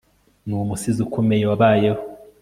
Ni umusizi ukomeye wabayeho